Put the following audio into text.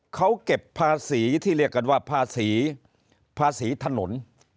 เขาเก็บภาษีที่เรียกกันว่าภาษีภาษีถนน